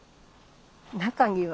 中には。